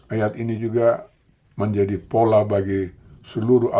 ayat ini juga menjadi pola bagi seluruh ayat